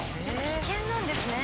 危険なんですね。